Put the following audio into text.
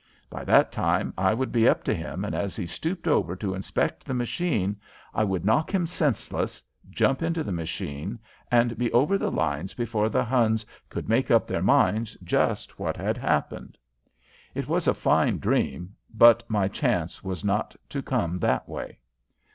By that time I would be up to him and as he stooped over to inspect the machine I could knock him senseless, jump into the machine, and be over the lines before the Huns could make up their minds just what had happened. It was a fine dream, but my chance was not to come that way.